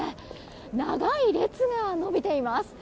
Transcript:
長い列が延びています。